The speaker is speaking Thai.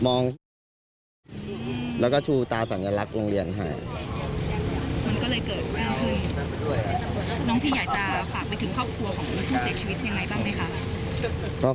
น้องพีอยากจะฝากไปถึงครอบครัวของผู้เสียชีวิตยังไงบ้างไหมคะ